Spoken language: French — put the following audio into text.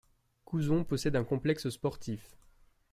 Couzon possède un complexe sportif.